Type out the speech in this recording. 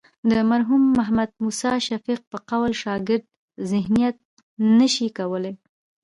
د مرحوم محمد موسی شفیق په قول شاګرد ذهنیت نه شي کولی.